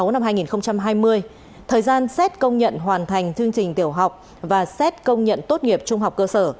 sáu năm hai nghìn hai mươi thời gian xét công nhận hoàn thành thương trình tiểu học và xét công nhận tốt nghiệp trung học cơ sở